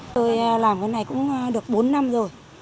tôi làm cái này cũng được bốn năm rồi